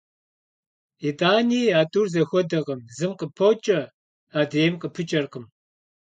Итӏани а тӏур зэхуэдэкъым: зым къыпокӏэ, адрейм къыпыкӏэркъым.